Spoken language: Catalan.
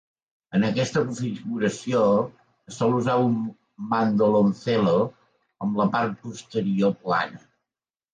En aquesta configuració es sol usar el mandoloncello amb la part posterior plana.